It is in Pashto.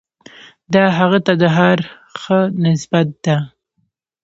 دا هغه ته د هر ښه نسبت ده.